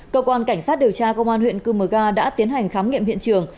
cơ quan cảnh sát điều tra công an huyện cư mờ ga đã tiến hành khám nghiệm hiện trường